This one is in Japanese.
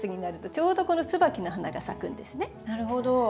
なるほど。